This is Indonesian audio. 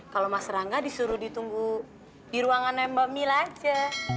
kalo mas ranggai disuruh ditunggu di ruangan yang mbak mila aja